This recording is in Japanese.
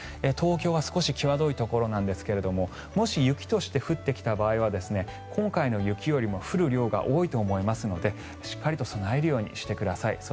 東京は少しきわどいところなんですがもし雪として降ってきた場合は今回の雪よりも降る量が多いと思いますのでしっかりと備えるようにしてください。